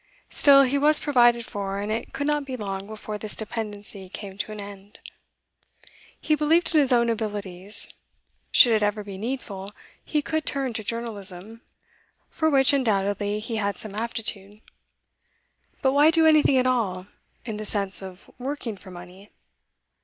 Still, he was provided for, and it could not be long before this dependency came to an end. He believed in his own abilities. Should it ever be needful, he could turn to journalism, for which, undoubtedly, he had some aptitude. But why do anything at all, in the sense of working for money?